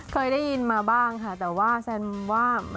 เคยได้ยินมาบ้างค่ะแต่ว่าแซนว่า